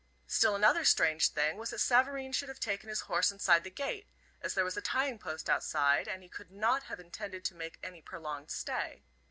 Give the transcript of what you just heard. Still another strange thing was that Savareen should have taken his horse inside the gate, as there was a tying post outside, and he could not have intended to make any prolonged stay.